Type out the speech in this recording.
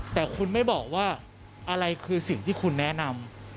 แต่คุณไม่บอกว่าอะไรคือสิ่งที่คุณแนะนำ